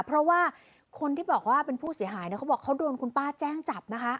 เพราะว่าคนที่บอกว่าเป็นผู้เสียหายเนี่ยเขาบอกเขาโดนคุณป้าแจ้งจับนะคะ